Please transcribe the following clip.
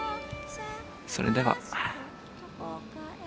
それでは。